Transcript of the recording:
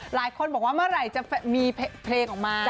หลายคนบอกว่าเมื่อไหร่จะมีเพลงออกมา